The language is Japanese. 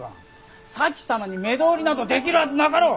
前様に目通りなどできるはずなかろう。